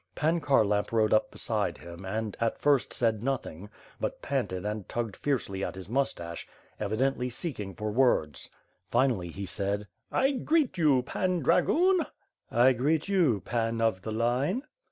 Pan Kharlamp rode up beside him and, at first, said nothing; but panted and tugged fiercely at his moustache, evidently seeking for words. Finally he said : "I greet you. Pan Dragoon." "I greet you. Pan of the Line."